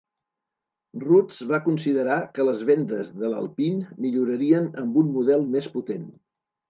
Rootes va considerar que les vendes de l'Alpine millorarien amb un model més potent.